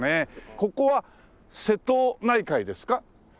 ここは瀬戸内海ですか？